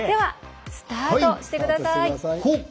スタートしてください。